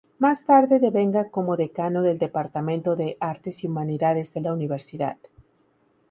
Más tarde devenga como Decano del Departamento de Artes y Humanidades de la universidad.